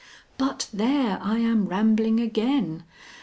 But there! I am rambling again.